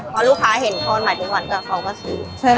พอลูกข้าเห็นทอดใหม่ทุกวันก็เขาก็ซื้อ